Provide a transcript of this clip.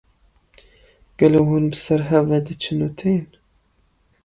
Gelo hûn bi ser hev ve diçin û tên?